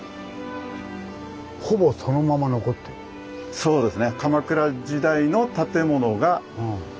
そうですね